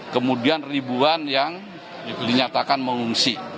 kemudian ribuan yang dinyatakan mengungsi